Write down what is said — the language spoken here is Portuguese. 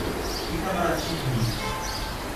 Itamarati de Minas